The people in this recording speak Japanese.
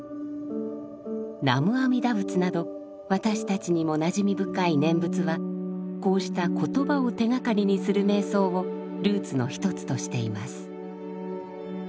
「南無阿弥陀仏」など私たちにもなじみ深い念仏はこうした言葉を手がかりにする瞑想をルーツの一つとしています。